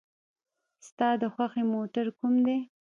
ستا د خوښې موټر کوم دی؟